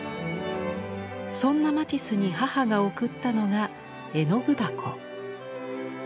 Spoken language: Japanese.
そんなマティスに母が贈ったのが絵の具箱。